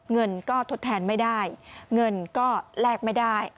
เงินก็ทดแทนไม่ได้เงินก็แลกไม่ได้